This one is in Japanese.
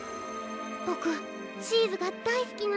ボクチーズがだいすきなんだ。